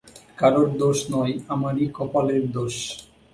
কোরো দোষ নয় আমারই কপালের দোষ।